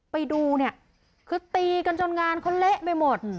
ไปดูเนี่ยคือตีกันจนงานเขาเละไปหมด